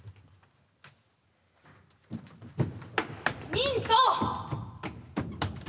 ミント！